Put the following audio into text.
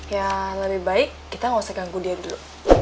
ya lebih baik kita gak usah ganggu dia dulu